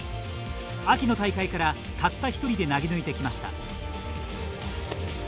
秋の大会からたった一人で投げ抜いてきました。